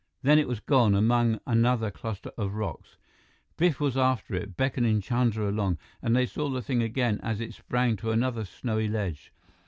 Then it was gone, among another cluster of rocks. Biff was after it, beckoning Chandra along, and they saw the thing again, as it sprang to another snowy ledge.